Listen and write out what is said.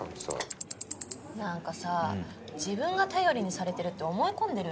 何かさ自分が頼りにされてるって思い込んでるよね。